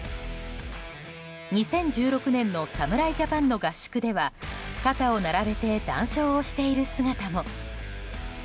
２０１６年の侍ジャパンの合宿では肩を並べて談笑をしている姿も。